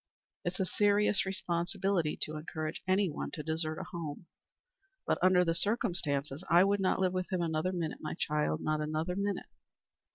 It's a serious responsibility to encourage any one to desert a home, but under the circumstances I would not live with him another minute, my child not another minute."